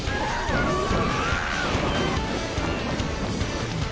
うわ！